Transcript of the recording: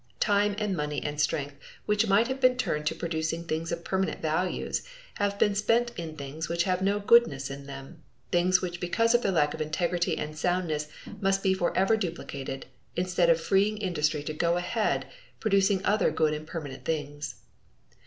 Time and money and strength which might have been turned to producing things of permanent values, have been spent in things which have no goodness in them, things which because of their lack of integrity and soundness must be forever duplicated, instead of freeing industry to go ahead, producing other good and permanent things.